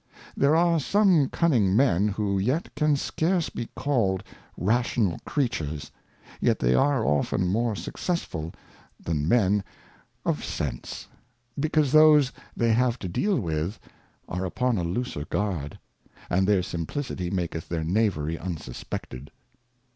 There are some Cunning men who yet can scarce be called Rational Creatures; yet they are often more successful than Men 2 34 Moral Thoughts and Reflections. Men of Sense, because those they have to deal with are upon a looser Guard ; and their Simplicity maketh their Knavery unsuspected.